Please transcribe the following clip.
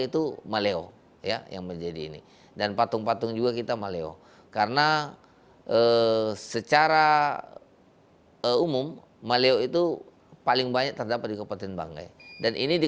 telur telur yang dihantarkan sudah melalui proses ritual adat berupa pemancatan doa